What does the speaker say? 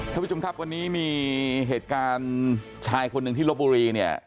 ทุกวันช้าวันนี้มีเหตุการณ์ชายคนหนึ่งที่ลบบุรีเนี่ย